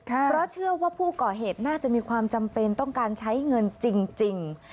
เพราะเชื่อว่าผู้ก่อเหตุน่าจะมีความจำเป็นต้องการใช้เงินจริง